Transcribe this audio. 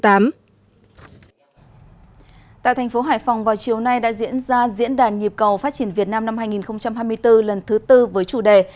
tại thành phố hải phòng vào chiều nay đã diễn ra diễn đàn nhịp cầu phát triển việt nam năm hai nghìn hai mươi bốn lần thứ tư với chủ đề